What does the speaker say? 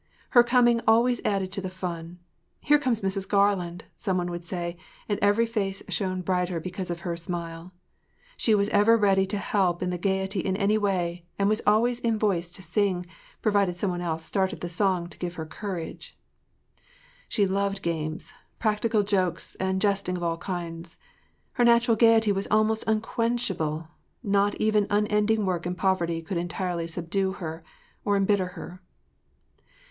Her coming always added to the fun. “Here comes Mrs. Garland!” some one would say, and every face shone brighter because of her smile. She was ever ready to help on the gayety in any way, and was always in voice to sing, provided some one else started the song to give her courage. She loved games, practical jokes and jesting of all kinds. Her natural gayety was almost unquenchable; not even unending work and poverty could entirely subdue her or embitter her.